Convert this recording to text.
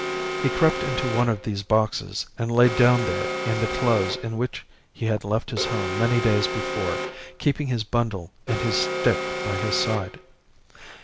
He crept into one of these boxes and laid down there in the clothes in which he had left his home many days before, keeping his bundle and his stick by his side.